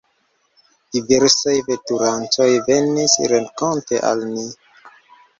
Diversaj veturantoj venis renkonte al ni.